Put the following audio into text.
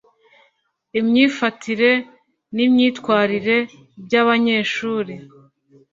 imyifatire n imyitwarire by abanyeshuri